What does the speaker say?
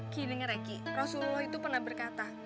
ki denger ya ki rasulullah itu pernah berkata